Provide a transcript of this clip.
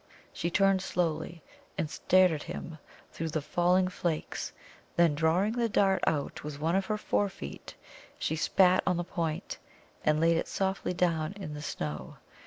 She turned slowly, and stared at him through the falling flakes; then, drawing the dart out with one of her forefeet, she spat on the point, and laid it softly down in the snow.